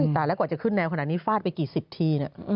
ตายแล้วกว่าจะขึ้นแนวขนาดนี้ฟาดไปกี่สิบที